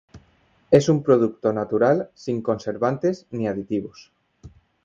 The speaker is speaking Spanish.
Es un producto natural, sin conservantes ni aditivos.